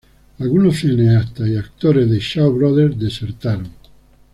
Algunos cineastas y actores de Shaw Brothers desertaron.